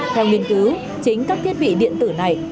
theo nghiên cứu chính các thiết bị điện tử này